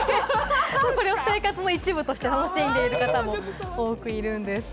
生活の一部として楽しんでいる方も多くいるんです。